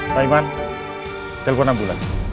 pak iman telpon enam bulan